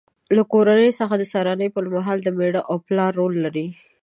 له کورنۍ سره د سهارنۍ پر مهال د مېړه او پلار رول لري.